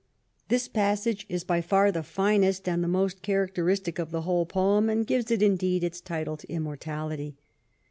This passage is by far the finest and the most char acteristic of the whole poem, and gives it, indeed, its title to immortality.